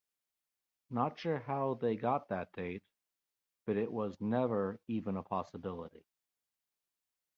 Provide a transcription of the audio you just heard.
Not sure how they got that date, but it was never even a possibility.